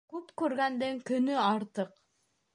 Күп күргәндең көнө артыҡ.